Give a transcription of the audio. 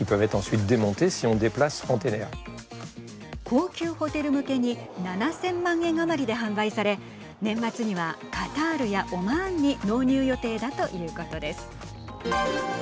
高級ホテル向けに７０００万円余りで販売され年末には、カタールやオマーンに納入予定だということです。